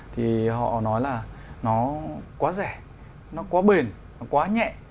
thì họ nói là nó quá rẻ nó quá bền nó quá nhẹ